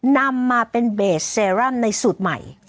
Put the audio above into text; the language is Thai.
นำมาเป็นเบสเซรั่มในสูตรใหม่